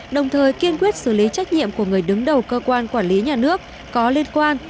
đồng thời kiên quyết xử lý trách nhiệm của người đứng đầu cơ quan quản lý nhà nước có liên quan